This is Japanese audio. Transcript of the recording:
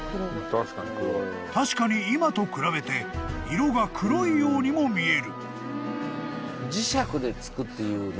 ［確かに今と比べて色が黒いようにも見える］